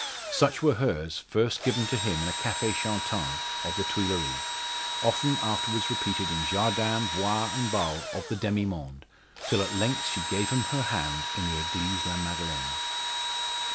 Such were hers, first given to him in a cafe chantant of the Tuileries oft afterwards repeated in jardin, bois, and bals of the demi monde, till at length she gave him her hand in the Eglise La Madeleine.